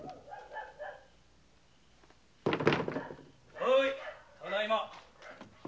はいただいま。